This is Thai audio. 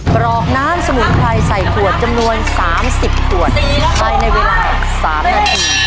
กรอกน้ำสมุนไพรใส่ขวดจำนวน๓๐ขวดภายในเวลา๓นาที